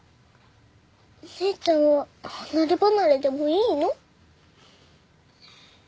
お姉ちゃんは離れ離れでもいいの？